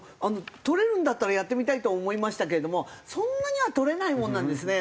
採れるんだったらやってみたいとは思いましたけれどもそんなには採れないものなんですね。